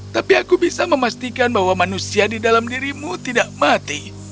tapi aku bisa memastikan bahwa manusia di dalam dirimu tidak mati